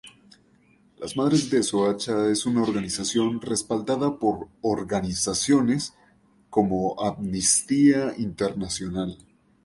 Las Madres de Soacha es una organización respaldada por organizaciones como Amnistía Internacional.